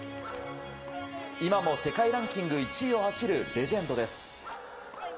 今も世界ランキング１位を走るレジェンドです。